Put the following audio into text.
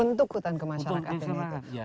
untuk hutan kemasyarakat